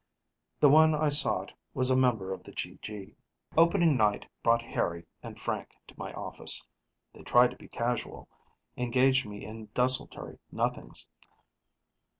The one I sought was a member of the GG. Opening night brought Harry and Frank to my office. They tried to be casual, engaged me in desultory nothings.